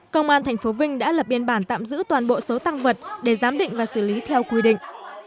công an tp vinh đã lập biên bản tạm giữ toàn bộ số tăng vật để giám định và xử lý theo quy định